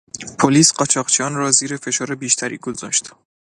پلیس قاچاقچیان را زیر فشار بیشتری گذاشت.